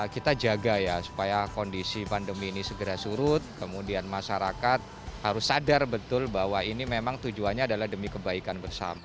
kita jaga ya supaya kondisi pandemi ini segera surut kemudian masyarakat harus sadar betul bahwa ini memang tujuannya adalah demi kebaikan bersama